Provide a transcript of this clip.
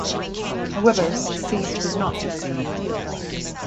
However the siege did not succeed.